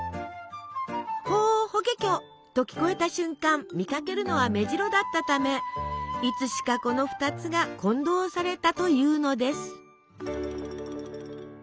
「ホーホケキョ」と聞こえた瞬間見かけるのはメジロだったためいつしかこの２つが混同されたというのです。